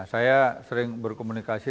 saya sering berkomunikasi